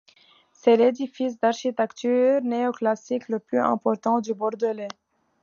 C'est l'édifice d'architecture néoclassique le plus important du bordelais.